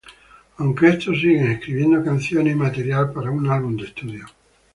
Aunque estos siguen escribiendo canciones y material para un álbum de estudio.